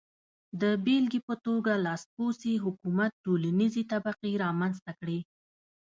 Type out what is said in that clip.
د بېلګې په توګه لاسپوڅي حکومت ټولنیزې طبقې رامنځته کړې.